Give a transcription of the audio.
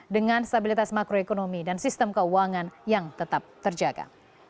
dengan stabilitas makroekonomi dan sistem keuangan yang tetap terjaga